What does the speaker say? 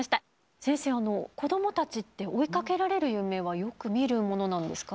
子どもたちって追いかけられる夢はよく見るものなんですか？